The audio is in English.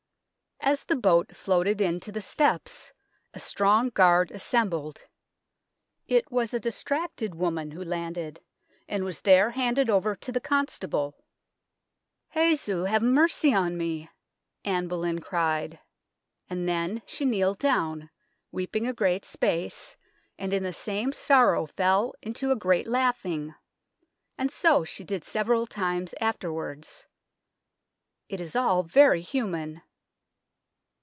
As the boat floated in to the steps, a strong guard assembled. It was a distracted woman who landed, and was there handed over to the Constable. "' Jesu, have mercy on me !' Anne Boleyn cried and then she kneeled down, weeping a great space, and in the same sorrow fell into a great laughing ; and so she did several times afterwards." It is all very human.